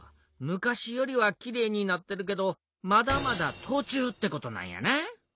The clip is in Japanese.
昔よりはきれいになってるけどまだまだとちゅうってことなんやな。